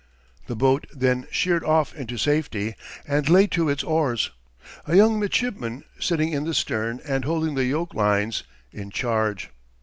The boat then sheered off into safety and lay to its oars, a young midshipman, sitting in the stern and holding the yoke lines, in charge.